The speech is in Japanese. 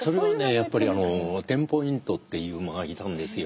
やっぱりテンポイントっていう馬がいたんですよ。